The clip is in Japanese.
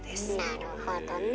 なるほどね。